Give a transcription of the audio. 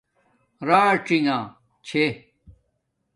راڅینݣ چھے